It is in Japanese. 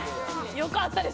よかったです